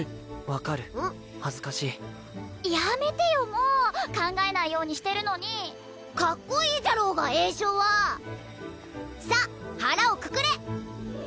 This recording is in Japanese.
分かる恥ずかしいやめてよもう考えないようにしてるのにカッコいいじゃろうが詠唱はさあ腹をくくれ！